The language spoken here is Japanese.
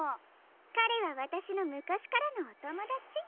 かれはわたしのむかしからのおともだち。